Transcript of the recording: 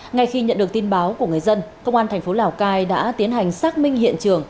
ngay khi nhận được tin báo của người dân công an thành phố lào cai đã tiến hành xác minh hiện trường